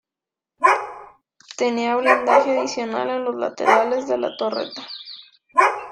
Tenía blindaje adicional en los laterales de la torreta.